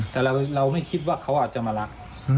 แต่เราไม่คิดว่าเขาอาจจะมารัก